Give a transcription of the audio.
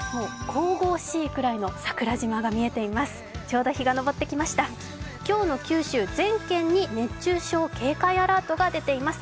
神々しいくらいの桜島が見えています。